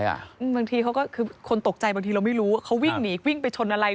บางทีเขาก็คือคนตกใจบางทีเราไม่รู้ว่าเขาวิ่งหนีวิ่งไปชนอะไร